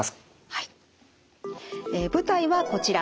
はい舞台はこちら。